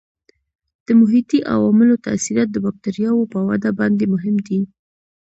د محیطي عواملو تاثیرات د بکټریاوو په وده باندې مهم دي.